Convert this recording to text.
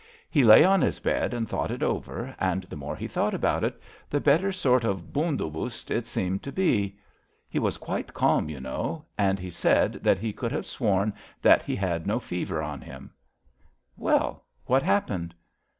He lay on his bed and thought it over, and the more he thought about it, the better sort of hund obust it seemed to be. He was quite calm, you HIS BROTHER'S KEEPER 115 know, and he said that he could have sworn that he had no fever on him." '' Well, what happened?